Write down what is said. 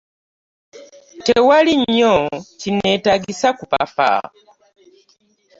Tewaali nnyo kinneetaagisa kupapa.